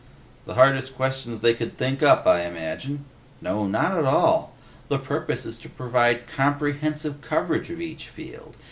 "The hardest questions they could think up, I imagine." "No, not at all. The purpose is to provide comprehensive coverage of each field.